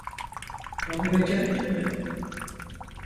Onu becerdin mi?